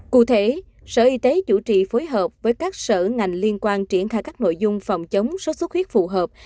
cụ thể sở y tế chủ trì phối hợp với các sở ngành liên quan triển khai các nội dung phòng chống sốt xuất huyết phù hợp